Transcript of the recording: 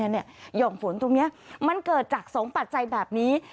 ห่อมฝนตรงนี้มันเกิดจาก๒ปัจจัยแบบนี้